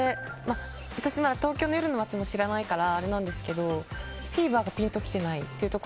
私、東京の夜の街も知らないからあれなんですけどフィーバーがピンと来てない。